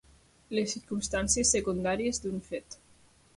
Les circumstàncies secundàries d'un fet.